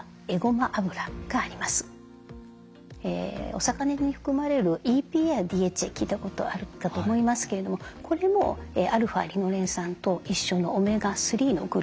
お魚に含まれるＥＰＡやＤＨＡ聞いたことあるかと思いますけれどもこれもα−リノレン酸と一緒のオメガ３のグループに含まれます。